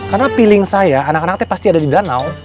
karena feeling saya anak anak teh pasti ada di danau